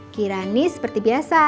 kirani seperti biasa